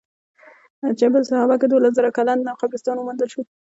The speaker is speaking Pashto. جبل سحابه کې دولس زره کلن قبرستان وموندل شو.